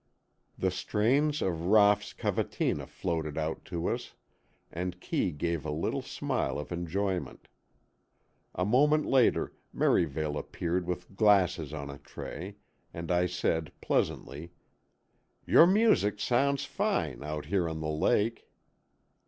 The strains of Raff's Cavatina floated out to us, and Kee gave a little smile of enjoyment. A moment later, Merivale appeared with glasses on a tray, and I said, pleasantly, "Your music sounds fine, out here on the lake."